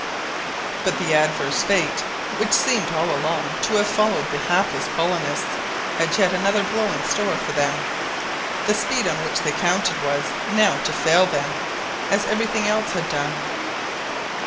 But the adverse fate which seemed all along to have followed the hapless colonists had yet another blow in store for them: the speed on which they counted was now to fail them, as everything else had done.